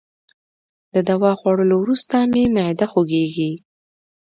د دوا خوړولو وروسته مي معده خوږیږي.